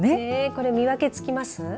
これ見分けつきます。